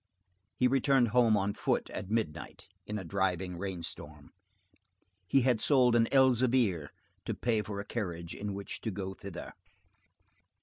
He returned home on foot at midnight, in a driving rain storm. He had sold an Elzevir to pay for a carriage in which to go thither.